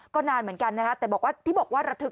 ก็นานเหมือนกันนะครับแต่ที่บอกว่าระทึก